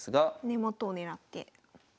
根元を狙って。